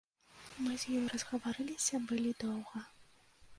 Мы з ёю разгаварыліся былі доўга.